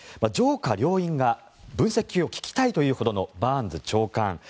上下両院が分析を聞きたいというほどのバーンズ長官。